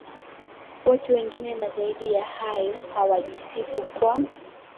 watu wengine na zaidi ya hayo hawajisifu kwa